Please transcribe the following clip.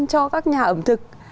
cho các nhà ẩm thực